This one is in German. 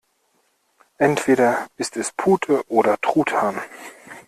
Entweder ist es Pute oder Truthahn.